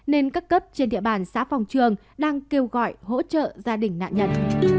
nên các cấp trên địa bàn xã phòng trường đang kêu gọi hỗ trợ gia đình nạn nhân